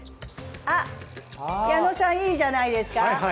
あっ矢野さんいいじゃないですか。